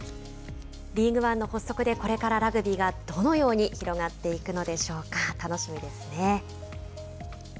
リーグワンの発足でこれからラグビーがどのように広がっていくのか楽しみですね。